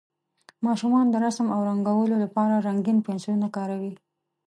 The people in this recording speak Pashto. ماشومان د رسم او رنګولو لپاره رنګین پنسلونه کاروي.